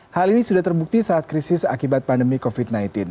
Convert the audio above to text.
hal ini sudah terbukti saat krisis akibat pandemi covid sembilan belas